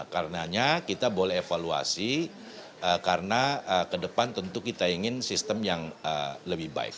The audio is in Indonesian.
karena kita boleh evaluasi karena ke depan tentu kita ingin sistem yang lebih baik